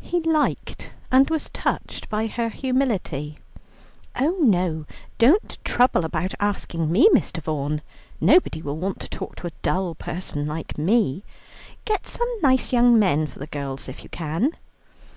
He liked and was touched by her humility. "Oh no, don't trouble about asking me, Mr. Vaughan, nobody will want to talk to a dull person like me. Get some nice young men for the girls, if you can."